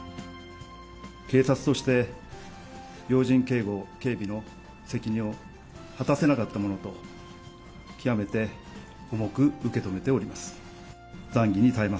警察として、要人警護警備の責任を果たせなかったものと、極めて重く受け止めております。